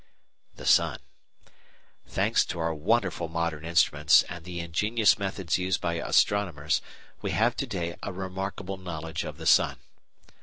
The Sun Thanks to our wonderful modern instruments and the ingenious methods used by astronomers, we have to day a remarkable knowledge of the sun.